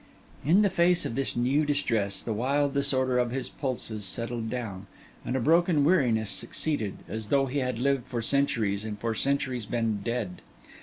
In the face of this new distress, the wild disorder of his pulses settled down; and a broken weariness succeeded, as though he had lived for centuries and for centuries been dead.